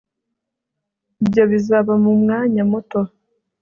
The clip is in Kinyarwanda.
ibyo bizaba mu mwanya muto